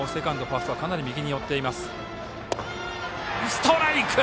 ストライク！